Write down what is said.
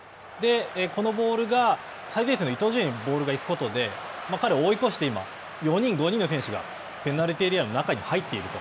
このボールが、最前線の伊東純也にボールが行くことで、彼を追い越して４人、５人の選手が、ペナルティーエリアの中に入っていると。